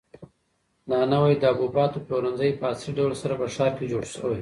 دا نوی د حبوباتو پلورنځی په عصري ډول سره په ښار کې جوړ شوی.